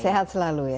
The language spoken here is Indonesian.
sehat selalu ya